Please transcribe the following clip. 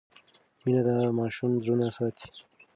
مینه د ماشوم زړونه ساتي.